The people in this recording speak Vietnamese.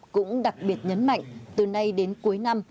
cũng đặc biệt nhấn mạnh từ nay đến cuối năm